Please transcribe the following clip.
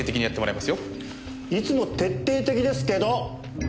いつも徹底的ですけど！